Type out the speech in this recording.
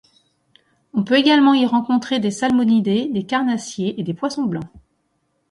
On peut également y rencontrer des salmonidés, des carnassiers et des poissons blancs.